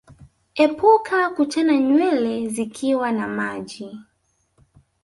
Epuka kuchana nywele zikiwa na maji